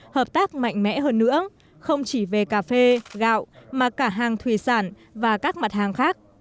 hợp tác mạnh mẽ hơn nữa không chỉ về cà phê gạo mà cả hàng thủy sản và các mặt hàng khác